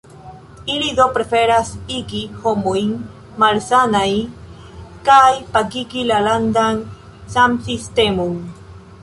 Ili do preferas igi homojn malsanaj kaj pagigi la landan sansistemon.